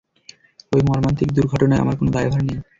ওই মর্মান্তিক দুর্ঘটনায় আমার কোনো দায়ভার নেই।